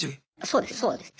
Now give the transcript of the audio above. そうですそうです。